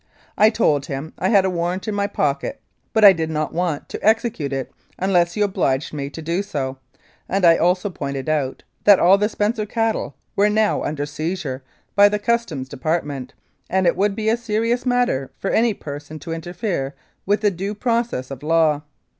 I told him I had a warrant in my pocket, but I did not want to execute it unless he obliged me to do so, and I also pointed out that all the Spencer cattle were now under seizure by the Customs Department, and it would be a serious matter for any person to interfere with the due process of law.